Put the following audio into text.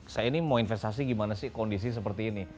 saya ini mau investasi gimana sih kondisi seperti ini